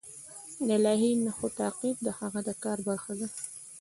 د الهي نښو تعقیب د هغه د کار برخه ده.